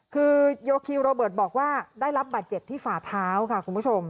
คือโยคิวโรเบิร์ตบอกว่าได้รับบาดเจ็บที่ฝ่าเท้าค่ะคุณผู้ชม